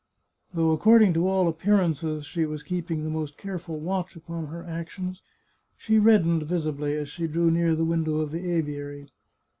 Though according to all appearances she was keeping the most careful watch upon her actions, she reddened visi bly as she drew near the window of the aviary.